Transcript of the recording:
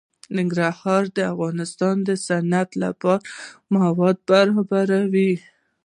ننګرهار د افغانستان د صنعت لپاره مواد برابروي.